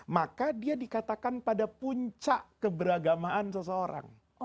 maka dia dikatakan pada puncak keberagamaan seseorang